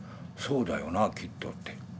そうだよなきっとって。